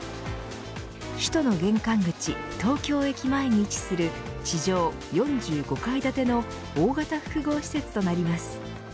首都の玄関口東京駅前に位置する地上４５階建ての大型複合施設となります。